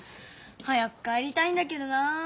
早く帰りたいんだけどな。